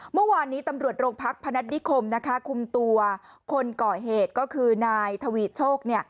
เมื่อวานนี้ตำรวจโรงพักพนัฐนิคมคุมตัวคนก่อเหตุก็คือนายทวีโชค